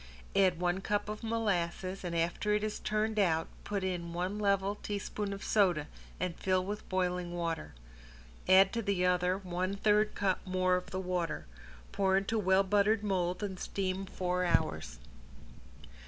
Add one cup of molasses, and after it is turned out put in one level teaspoon of soda and fill with boiling water. Add to the other one third cup more of the water. Pour into well buttered mold and steam four hours.